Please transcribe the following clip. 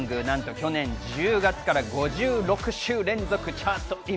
去年１０月から５６週連続チャートイン。